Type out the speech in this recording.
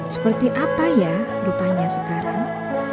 seperti apa ya rupanya sekarang